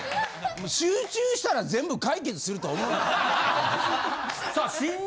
集中したら全部解決すると思うなよ！